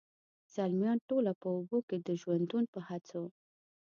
زلمیان ټوله په اوبو کي د ژوندون په هڅو،